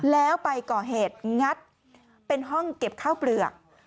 แล้วไปก่อเหตุงัดเป็นห้องเก็บข้าวเปลือก